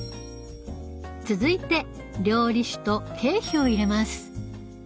続いて料理酒と桂皮を入れます。